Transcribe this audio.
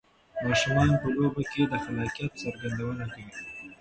ماشومان په لوبو کې د خلاقیت څرګندونه کوي.